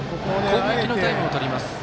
攻撃のタイムをとります。